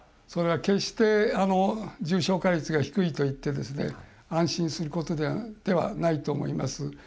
それは決して重症化率が低いといって安心することではないと思います。